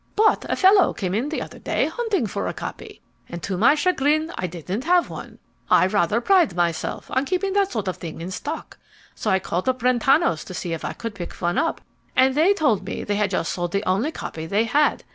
But a fellow came in the other day hunting for a copy, and to my chagrin I didn't have one. I rather pride myself on keeping that sort of thing in stock. So I called up Brentano's to see if I could pick one up, and they told me they had just sold the only copy they had.